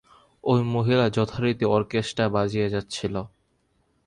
ঐ মহিলা যথারীতি অর্কেস্ট্রা বাজিয়ে যাচ্ছিল।